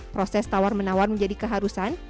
proses tawar menawar menjadi keharusan